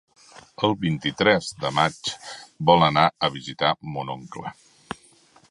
El vint-i-tres de maig vol anar a visitar mon oncle.